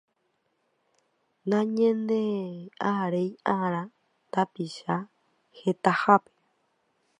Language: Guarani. Nañande'aréi'arã tapicha hetahápe.